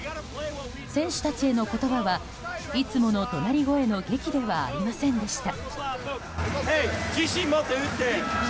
選手たちへの言葉はいつもの怒鳴り声のげきではありませんでした。